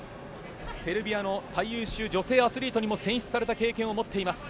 セルビアの最優秀女性アスリートにも選出された経験を持っています。